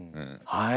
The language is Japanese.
はい！